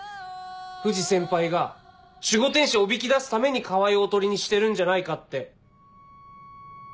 藤先輩が守護天使をおびき出すために川合をおとりにしてるんじゃないかって。